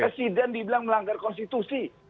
presiden dibilang melanggar konstitusi